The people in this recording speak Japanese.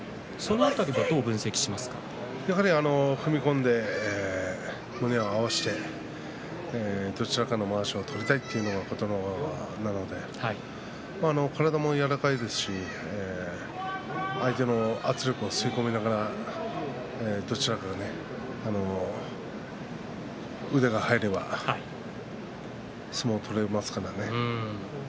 やはり踏み込んで胸を合わせてどちらかのまわしを取りたいというのが琴ノ若なので体も柔らかいですし相手の圧力を吸い込みながらどちらか腕が入れば相撲を取れますからね。